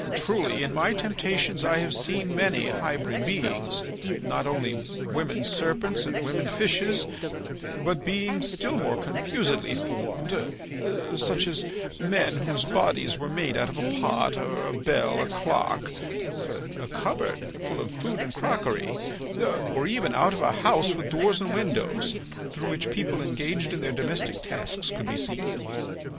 "Truly in my temptations I have seen many hybrid beings, not only women serpents and women fishes, but beings still more confusedly formed such as men whose bodies were made out of a pot, a bell, a clock, a cupboard full of food and crockery, or even out of a house with doors and windows through which people engaged in their domestic tasks could be seen.